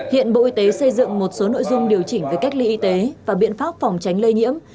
hiện bộ y tế xây dựng một số nội dung điều chỉnh về cách ly y tế và biện pháp phòng tránh lây nhiễm